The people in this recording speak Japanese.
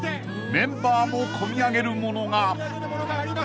［メンバーも込み上げるものが］